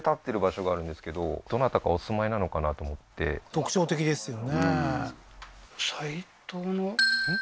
特徴的ですよねうんん？